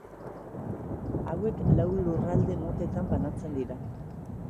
Hauek lau lurralde motetan banatzen dira.